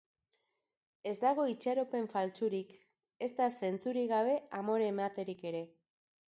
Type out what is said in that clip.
Ez dago itxaropen faltsurik ezta zentzurik gabe amore ematerik ere.